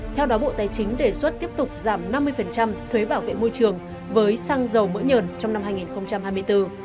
theo đó bộ tài chính đề xuất tiếp tục giảm năm mươi thuế bảo vệ môi trường với xăng dầu mỡ nhờn trong năm hai nghìn hai mươi bốn